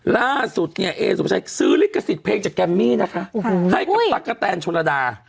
ล่าสุดเนี่ยเอสุภาชัยซื้อลิขสิทธิ์เพลงจากแกมมี่นะคะให้กับตั๊กกะแตนชนระดา